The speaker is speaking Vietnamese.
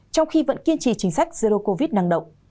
trong khi vẫn kiên trì chính sách zero covid năng động